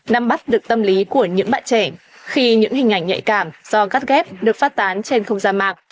năm bắt được tâm lý của những bạn trẻ khi những hình ảnh nhạy cảm do gắt ghép được phát tán trên không gian mạng